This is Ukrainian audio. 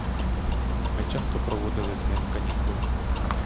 Ми часто проводили з ним канікули.